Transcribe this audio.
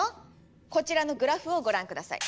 こちらのグラフをご覧ください。